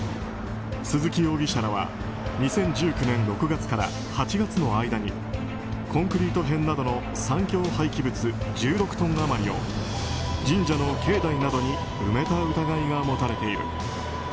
鈴木容疑者らは２０１９年６月から８月の間にコンクリート片などの産業廃棄物１６トン余りを神社の境内などに埋めた疑いが持たれている。